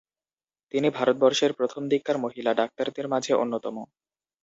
তিনি ভারতবর্ষের প্রথম দিককার মহিলা ডাক্তারদের মাঝে অন্যতম।